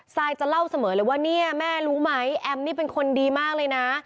ซายจะเล่าเสมอเลยว่าเนี่ยแม่รู้ไหมแอมนี่เป็นคนดีมากเลยนะ